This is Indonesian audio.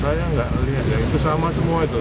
saya nggak lihat ya itu sama semua itu